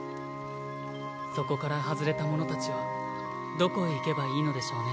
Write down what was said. そこから外れた者たちはどこへ行けばいいのでしょうね。